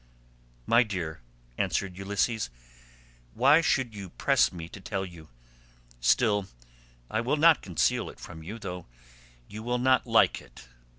"My dear," answered Ulysses, "why should you press me to tell you? Still, I will not conceal it from you, though you will not like it.